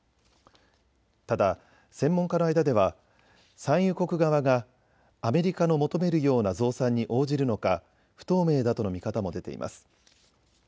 ただ専門家の間では産油国側がアメリカの求めるような増産に応じるのか不透明だとの見方も出ています。